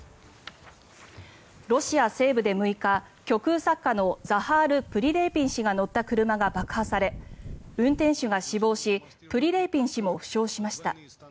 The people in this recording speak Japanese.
ロシア西部で６日極右作家のザハール・プリレーピン氏が乗った車が爆破され運転手が死亡しプリレーピン氏も負傷しました。